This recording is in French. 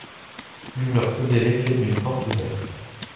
Je leur faisais l’effet d’une porte ouverte.